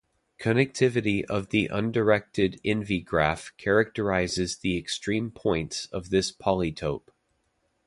Connectivity of the undirected envy graph characterizes the extreme points of this polytope.